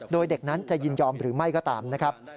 โดยเด็กนั้นจะยินยอมหรือไม่ก็ตามนะครับ